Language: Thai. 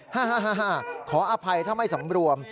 ฮ่าขออภัยถ้าไม่สำรวม